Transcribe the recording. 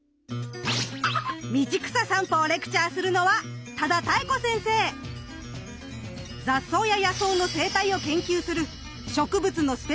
道草さんぽをレクチャーするのは雑草や野草の生態を研究する珍しいですね。